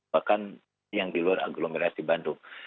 bahkan yang di luar aglomerasi bandung